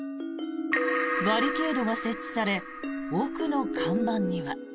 バリケードが設置され奥の看板には。